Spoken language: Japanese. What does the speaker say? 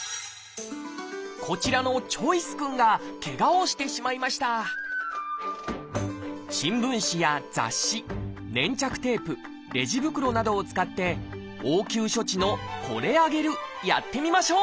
こちらのチョイス君がケガをしてしまいました新聞紙や雑誌粘着テープレジ袋などを使って応急処置の「これあげる」やってみましょう！